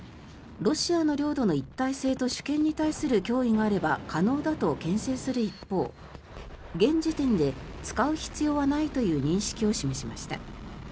ロシアの領土の一体性と主権に対する脅威があれば可能だとけん制する一方現時点で使う必要はないという認識を示しました。